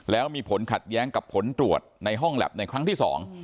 แล้วมีผลขัดแย้งกับผลตรวจในห้องแล็บในครั้งที่สอง